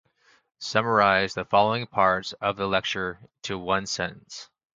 Summarise the following parts of the lecture to one sentence.